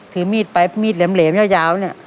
ถือมีดไปมีดแหลมยาวเนี่ย